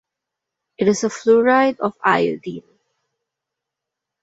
It is a fluoride of iodine.